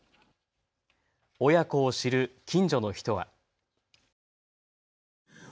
親子を知る近所の人は。